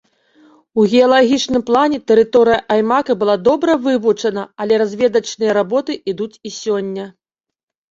У геалагічным плане тэрыторыя аймака была добра вывучана, але разведачныя работы ідуць і сёння.